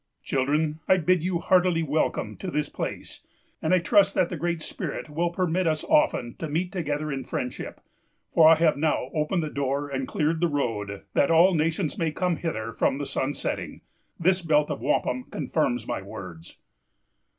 "Children, I bid you heartily welcome to this place; and I trust that the Great Spirit will permit us often to meet together in friendship, for I have now opened the door and cleared the road, that all nations may come hither from the sunsetting. This belt of wampum confirms my words.